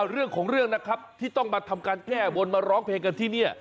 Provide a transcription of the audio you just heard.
เรื่องของเรื่องนะครับที่ต้องมาทำการแก้บนมาร้องเพลงกันที่นี่